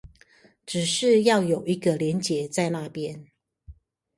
只是要有一個連結在那邊